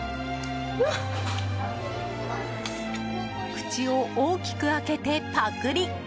口を大きく開けてパクリ！